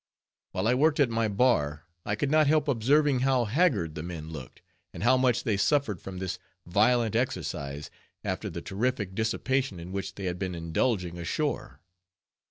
While I worked at my bar, I could not help observing how haggard the men looked, and how much they suffered from this violent exercise, after the terrific dissipation in which they had been indulging ashore.